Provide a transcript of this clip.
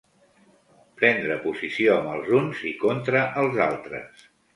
Prendre posició amb els uns i contra els altres.